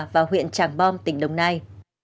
và huyện tràng bom tỉnh đồng nai